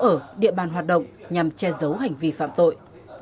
ở địa bàn hoạt động nhằm che giấu hành vi phạm tội